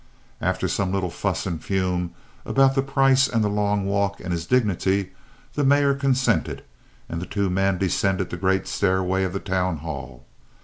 After some little fuss and fume about the price and the long walk and his dignity, the Mayor consented, and the two men descended the great stairway of the town hall.